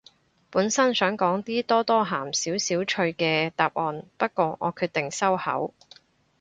本身想講啲多多鹹少少趣嘅答案，不過我決定收口